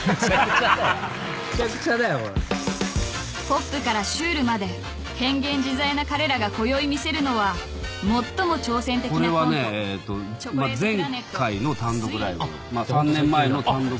［ポップからシュールまで変幻自在な彼らがこよい見せるのは最も挑戦的なコント］